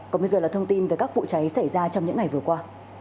còn bây giờ là thông tin về các vụ cháy xảy ra trong những ngày vừa qua